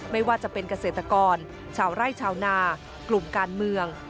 ไม่ว่าจะเป็นเกษตรกรชาวไร่ชาวนากลุ่มการเมือง